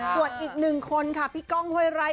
ส่วนอีก๑คนค่ะพี่ก้องเฮ้ยไร